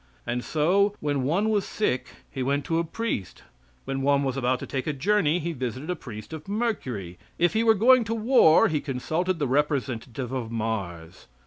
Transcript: And so, when one was sick he went to a priest; when one was about to take a journey he visited the priest of Mercury; if he were going to war he consulted the representative of Mars.